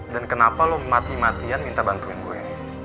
dan kenapa lo mati matian minta bantuin gue